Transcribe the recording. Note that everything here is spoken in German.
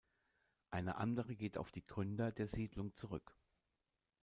Eine andere geht auf die Gründer der Siedlung zurück.